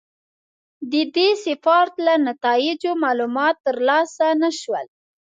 د دې سفارت له نتایجو معلومات ترلاسه نه شول.